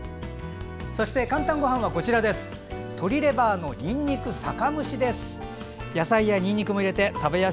そして「かんたんごはん」は鶏レバーのにんにく酒蒸しです。